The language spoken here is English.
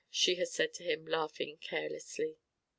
she had said to him, laughing carelessly.